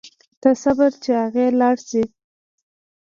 ته صبر چې اغئ لاړ شي.